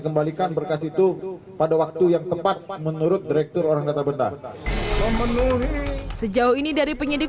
kembalikan berkas itu pada waktu yang tepat menurut direktur orang data benar sejauh ini dari penyidik